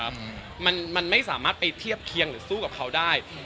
ไม่สามารถไปเทียบเคียงเหรอสู้กับเขาได้